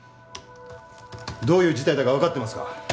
どういう事態だかわかってますか？